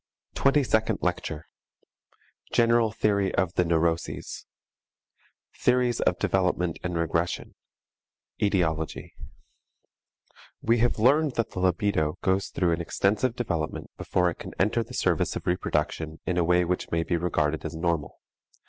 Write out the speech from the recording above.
TWENTY SECOND LECTURE GENERAL THEORY OF THE NEUROSES Theories of Development and Regression Etiology We have learned that the libidio goes through an extensive development before it can enter the service of reproduction in a way which may be regarded as normal.